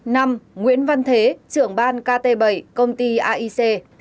năm nguyễn văn thế trưởng ban kt bảy công ty aic